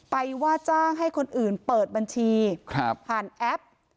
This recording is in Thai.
ว่าจ้างให้คนอื่นเปิดบัญชีผ่านแอป